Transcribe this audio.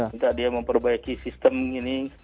minta dia memperbaiki sistem ini